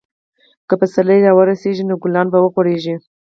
که پسرلی راورسیږي، نو ګلان به وغوړېږي.